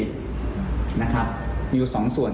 คือมีอยู่๒ส่วน